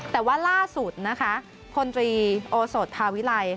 แต่ว่าล่าสุดนะคะพลตรีโอโสดทาวิไล